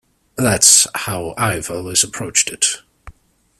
That's how I've always approached it.